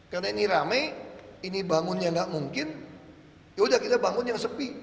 karena ini ramai ini bangunnya tidak mungkin yaudah kita bangun yang sepi